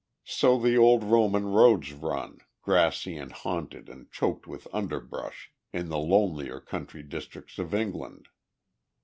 So the old Roman roads run, grassy and haunted and choked with underbrush, in the lonelier country districts of England.